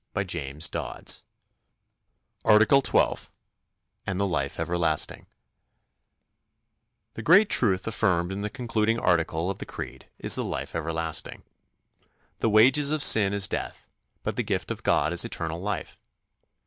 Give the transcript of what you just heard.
ARTICLE 12 And the Life Everlasting The great truth affirmed in the concluding article of the Creed is the Life Everlasting: "The wages of sin is death; but the gift of God is eternal life."